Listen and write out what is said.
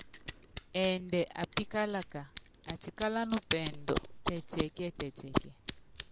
Ɛɛndɛ apíkálaka, atíkálána pɛɛdu tɛtiɛkíɛtɛtiɛkiɛ.